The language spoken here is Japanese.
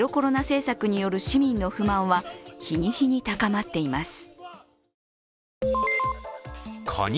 政策による市民の不満は日に日に高まっています。